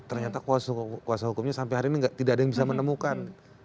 ternyata kuasa hukumnya sampai hari ini tidak ada yang bisa menemukan